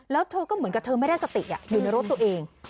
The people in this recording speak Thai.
แล้วเธอก็เหมือนกับเธอไม่ได้สติอยู่ในรถตัวเอง